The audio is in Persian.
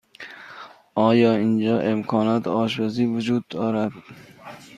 آیا اینجا امکانات آشپزی وجود دارد؟